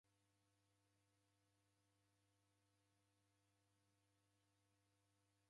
Nasilwa nandighi diw'urie aha.